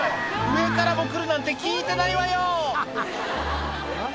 上からも来るなんて聞いてないわよ！」